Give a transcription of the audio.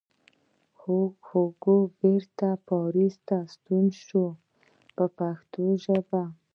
هوګو بېرته پاریس ته ستون شو په پښتو ژبه.